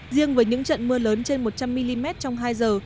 riêng với những trận mưa lớn trên một trăm linh mm trong hai giờ